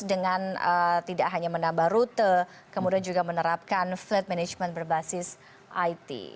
dengan tidak hanya menambah rute kemudian juga menerapkan flood management berbasis it